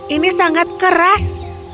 ini sangat keras